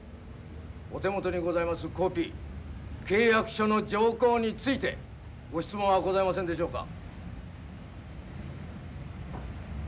お手元にございますコピー契約書の条項についてご質問はございませんでしょうか。